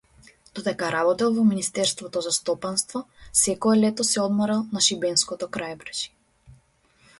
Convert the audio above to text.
Додека работел во министерството за стопанство секое лето се одморал на шибенското крајбрежје.